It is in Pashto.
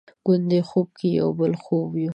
ګوندې خوب کې یو بل خوب یو؟